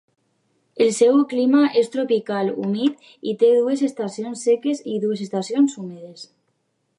El seu clima és tropical humit i té dues estacions seques i dues estacions humides.